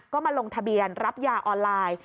ก็มาลงทะเบียนรับยาออนไลน์